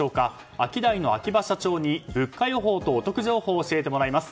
アキダイの秋葉社長に物価予報とお得情報を教えてもらいます。